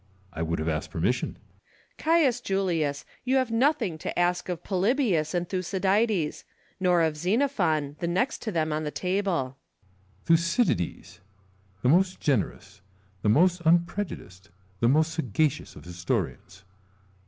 I would have asked permission Lucullus. Caius Julius, you have nothing to ask of Polybius and Thucydides ; nor of Xenophon, the next to them on the table. Ccesar. Thucydides ! the most generous, the most unpre judiced, the most sagacious, of historians.